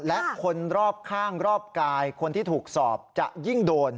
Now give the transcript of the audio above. และคนรอบข้างรอบกายคนที่ถูกสอบจะยิ่งโดน